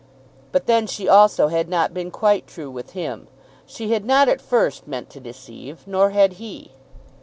But then she also had not been quite true with him. She had not at first meant to deceive; nor had he.